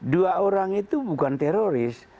dua orang itu bukan teroris